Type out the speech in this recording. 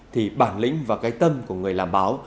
thì bản lĩnh và cái tâm của người làm báo